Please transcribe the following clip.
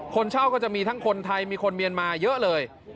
คนเช่าก็จะมีทั้งคนไทยมีคนเมียนมาเยอะเลย